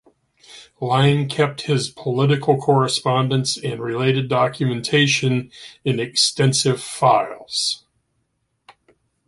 Lang kept his political correspondence and related documentation in extensive "files".